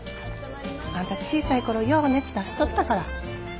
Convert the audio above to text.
あんた小さい頃よう熱出しとったから。